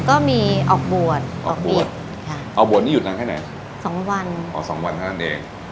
ก็มีออกบวชออกบวชออกบวชออกบวชนี่หยุดกันแค่ไหน๒วันอ๋อ๒วันค่ะนั่นเอง